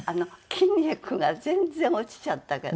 筋肉が全然落ちちゃった。